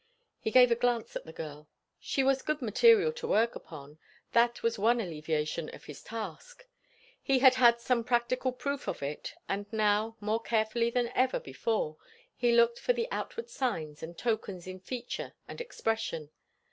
He gave a glance at the girl. She was good material to work upon, that was one alleviation of his task; he had had some practical proof of it, and now, more carefully than ever before, he looked for the outward signs and tokens in feature and expression.